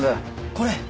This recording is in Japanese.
これ！